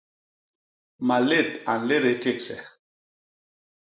Malét a nlédés kégse.